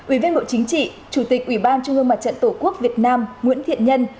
ủy viên bộ chính trị chủ tịch ủy ban trung ương mặt trận tổ quốc việt nam nguyễn thiện nhân